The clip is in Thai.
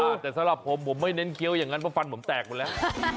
แต่สำหรับผมผมไม่เน้นเคี้ยวอย่างนั้นเพราะฟันผมแตกหมดแล้ว